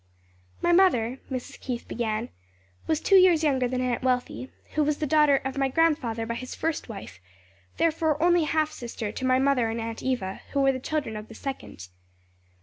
"My mother," Mrs. Keith began, "was two years younger than Aunt Wealthy, who was the daughter of my grandfather by his first wife; therefore only half sister to my mother and Aunt Eva, who were the children of the second.